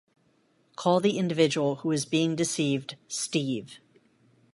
Call the individual who is being deceived Steve.